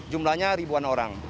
jumlahnya ribuan orang